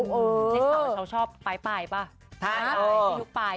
นี่เขาชอบปลายหน่อยพี่ปลายใช่มั้ย